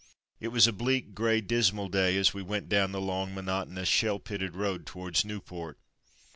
It was a bleak, grey, dismal day as we went down the long, monotonous, shell pitted road towards Nieuport.